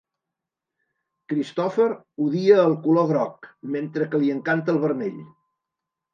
Christopher odia el color groc, mentre que li encanta el vermell.